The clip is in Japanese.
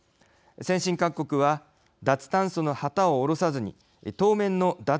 先進各国は脱炭素の旗を降ろさずに当面の脱